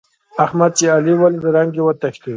احمد چې علي وليد؛ رنګ يې وتښتېد.